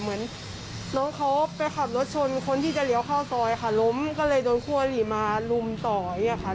เหมือนน้องเขาไปขับรถชนคนที่จะเลี้ยวเข้าซอยค่ะล้มก็เลยโดนคั่วหลีมาลุมต่ออย่างนี้ค่ะ